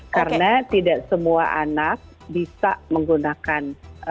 karena tidak semua anak bisa menggunakan